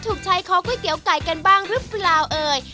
ถูกใช้คอก๋วยเตี๋ยไก่กันบ้างหรือเปล่าเอ่ย